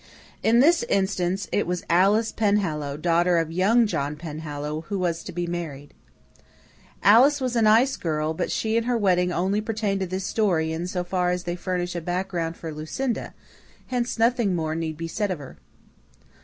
In this instance it was Alice Penhallow, daughter of "young" John Penhallow, who was to be married. Alice was a nice girl, but she and her wedding only pertain to this story in so far as they furnish a background for Lucinda; hence nothing more need be said of her.